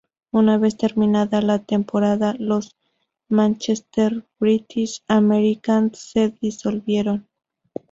Una vez terminada la temporada, los Manchester British-Americans se disolvieron.